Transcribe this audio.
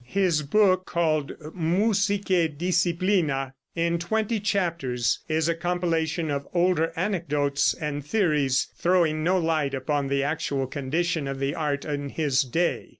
His book, called "Musicæ Disciplina," in twenty chapters, is a compilation of older anecdotes and theories, throwing no light upon the actual condition of the art in his day.